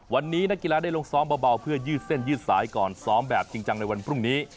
วันนี้นักกีฬาได้ลงซ้อมเบาเพื่อยืดเส้นยืดสายก่อนซ้อมแบบจริงจังในวันพรุ่งนี้